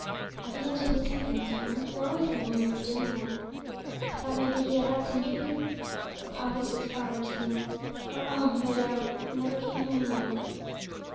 I began to think something must be wrong, for he always came home of a dinner hour. I thought maybe he had had some drink; but, Poppy, it was worse than that, for oh! my darling, he never came home no more.'